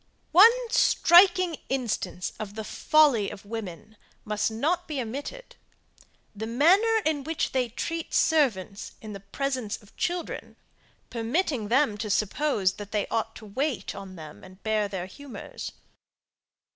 One striking instance of the folly of women must not be omitted. The manner in which they treat servants in the presence of children, permitting them to suppose, that they ought to wait on them, and bear their humours.